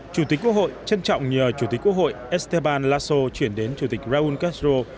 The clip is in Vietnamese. chủ tịch quốc hội trân trọng nhờ chủ tịch quốc hội esteban laso chuyển đến chủ tịch raúl castro